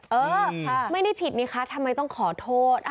เออไม่ได้ผิดนี่คะทำไมต้องขอโทษ